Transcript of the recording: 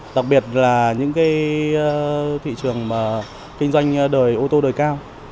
đặc biệt là những cái thị trường mà kinh doanh đời ô tô đời cao